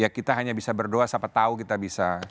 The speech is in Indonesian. ya kita hanya bisa berdoa sama tahu kita bisa